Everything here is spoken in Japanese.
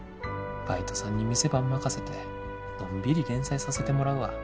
バイトさんに店番任せてのんびり連載させてもらうわ。